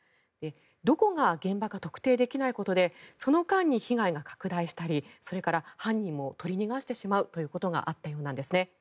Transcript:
どこが現場か特定できないことでその間に被害が拡大したりそれから犯人も取り逃がしてしまうということがあったようなんですね。